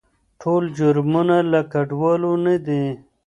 ټول جرمونه له کډوالو نه دي.